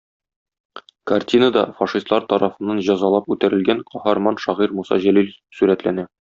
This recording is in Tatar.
Картинада фашистлар тарафыннан җәзалап үтерелгән каһарман шагыйрь Муса Җәлил сурәтләнә.